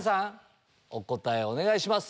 お答えお願いします。